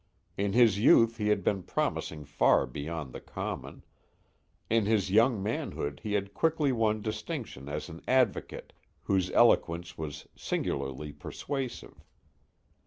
In his youth he had been promising far beyond the common; in his young manhood he had quickly won distinction as an advocate whose eloquence was singularly persuasive.